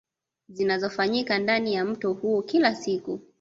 Zinazofanyika ndani ya mto huo kila siku